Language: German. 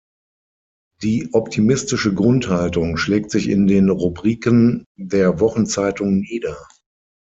Die optimistische Grundhaltung schlägt sich in den Rubriken der Wochenzeitung nieder.